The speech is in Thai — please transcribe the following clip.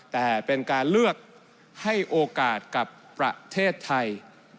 แต่เป็นการเลือกให้โอกาสกับประเทศไทย